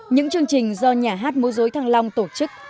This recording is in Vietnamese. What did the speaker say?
những chương trình do nhà hát mô dối thăng long tổ chức